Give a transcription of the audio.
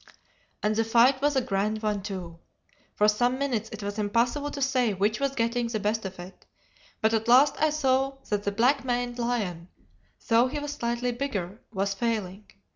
And the fight was a grand one too. For some minutes it was impossible to say which was getting the best of it, but at last I saw that the black maned lion, though he was slightly bigger, was failing.